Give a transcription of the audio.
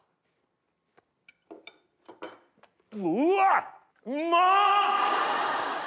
うわっうま！